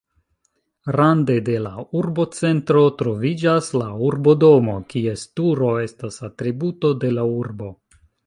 Rande de la urbocentro troviĝas la urbodomo, kies turo estas atributo de la urbo.